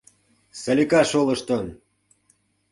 Салика шолыштын!